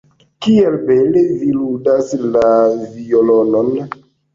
Kiel bele vi ludas la violonon!